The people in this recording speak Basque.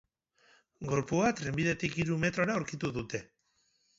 Gorpua trenbidetik hiru metrora aurkitu dute.